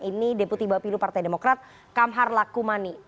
ini deputi bapilu partai demokrat kamhar lakumani